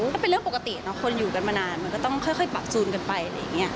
ก็เป็นเรื่องปกติเนาะคนอยู่กันมานานมันก็ต้องค่อยปรับจูนกันไปอะไรอย่างนี้